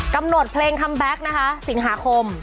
กำหนดเพลงคัมแบ็คนะคะสิงหาคม